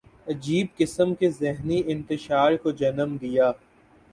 عجیب قسم کے ذہنی انتشار کو جنم دیا۔